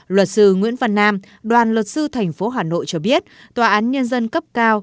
luật sư nguyễn văn nam đoàn luật sư tp hcm cho biết tòa án nhân dân cấp cao